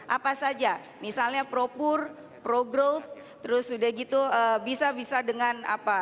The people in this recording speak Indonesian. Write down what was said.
apa saja misalnya pro poor pro growth terus sudah gitu bisa bisa dengan apa